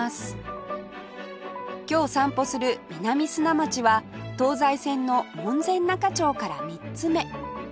今日散歩する南砂町は東西線の門前仲町から３つ目